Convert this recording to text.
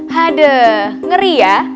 hadeh ngeri ya